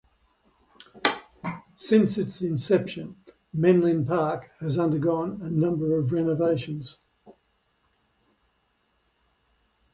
Since its inception, Menlyn Park has undergone a number of renovations.